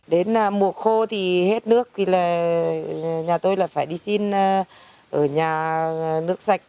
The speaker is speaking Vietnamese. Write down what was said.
đến mùa khô thì hết nước thì là nhà tôi là phải đi xin ở nhà nước sạch